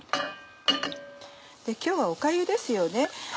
今日はおかゆですよね。